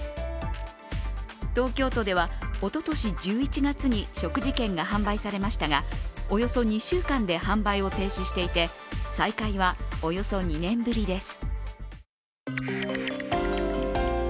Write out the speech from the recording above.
東京都ではおととし１１月に食事券が販売されましたがおよそ２週間で販売を停止していて再開はおよそ２年ぶりです。